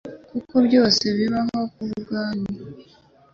« kuko byose bibaho ku bwanyu.»